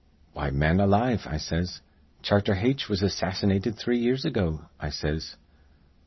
'Why, man alive,' I says, 'Charter Haitch was assassinated three years ago,' I says.